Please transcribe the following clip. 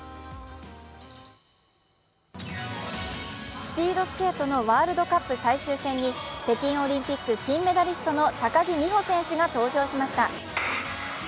スピードスケートのワールドカップ最終戦に北京オリンピック金メダリストの高木美帆選手が登場しました。